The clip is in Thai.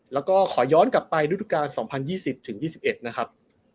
แล้วก็ขอย้อนกลับไปด้วยทุกการณ์๒๐๒๐๒๑นะครับ